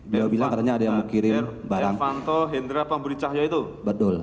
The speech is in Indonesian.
pertama itu saya ditelepon sama pak irvanto